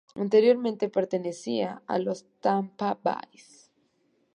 Anteriormente, pertenecía a los Tampa Bays.